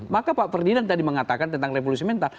maka pak ferdinand tadi mengatakan tentang revolusi mental